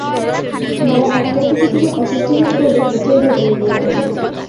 বেলা একটার দিকে তিনি অসুস্থ বোধ করলে বুথের ভেতরে গিয়ে বসেন।